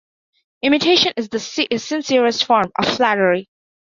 Imitation is the sincerest form of flattery.